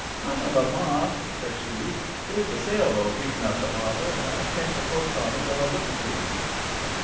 "Colonel Lamont," says she, "there's a sailboat beating up the harbor, and I think the folks on it are looking for you."